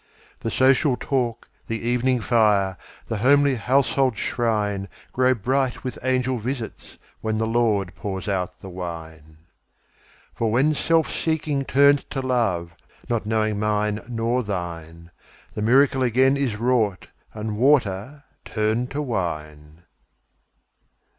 The social talk, the evening fire, The homely household shrine, Grow bright with angel visits, when The Lord pours out the wine. For when self seeking turns to love, Not knowing mine nor thine, The miracle again is wrought, And water turned to wine.